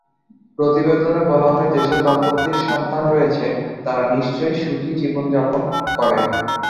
প্রতিবেদনে বলা হয়, যেসব দম্পতির সন্তান রয়েছে, তাঁরা নিশ্চয়ই সুখী জীবন যাপন করেন।